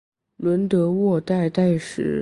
伦德沃代代什。